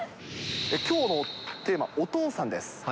きょうのテーマ、お父さんです。